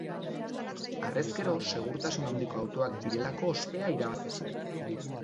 Harrezkero, segurtasun handiko autoak direlako ospea irabazi zuen.